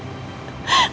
kamu harus tahu